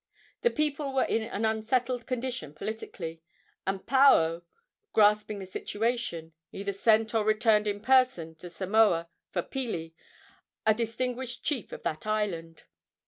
The people were in an unsettled condition politically, and Paao, grasping the situation, either sent or returned in person to Samoa for Pili, a distinguished chief of that island.